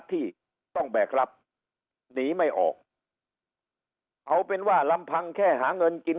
ที่ต้องแบกรับหนีไม่ออกเอาเป็นว่าลำพังแค่หาเงินกิน